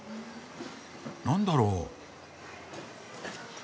何だろう？